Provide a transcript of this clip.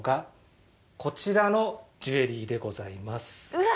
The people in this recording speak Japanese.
うわ！